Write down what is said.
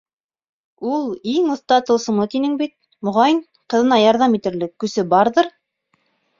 Ул иң оҫта тылсымсы, тиһең бит, моғайын, ҡыҙына ярҙам итерлек көсө барҙыр.